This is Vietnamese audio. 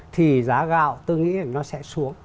thì giá gạo tôi nghĩ là nó sẽ xuống